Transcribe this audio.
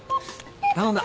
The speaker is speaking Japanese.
頼んだ。